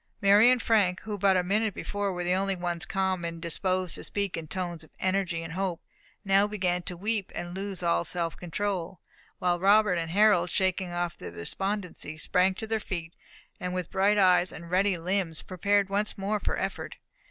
Mary and Frank, who but a minute before were the only ones calm and disposed to speak in tones of energy and hope, now began to weep and lose all self control; while Robert and Harold, shaking off their despondency, sprang to their feet, and with bright eyes and ready limbs, prepared once more for effort.